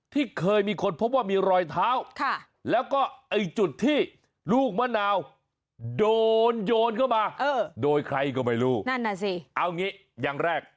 ที่เคยมีคนพบว่ามีรอยเท้าแล้วก็ไอ้จุดที่ลูกมะนาวโดนโยนเข้ามาโดยใครก็ไม่รู้นั่นน่ะสิเอางี้อย่างแรก